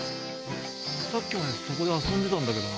さっきまでそこで遊んでたんだけどな。